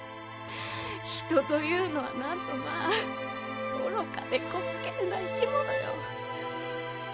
人というのはなんとまぁ愚かで滑稽な生き物よ。